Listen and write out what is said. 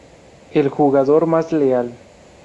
El jugador más letal.